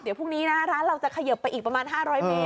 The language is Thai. เดี๋ยวพรุ่งนี้นะร้านเราจะเขยิบไปอีกประมาณ๕๐๐เมตร